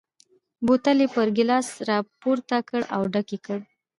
بوتل یې پر ګیلاس را پورته کړ او ډک یې کړ.